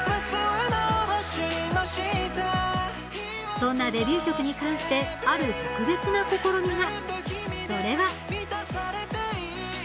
そんなデビュー曲に関して、ある特別な試みが。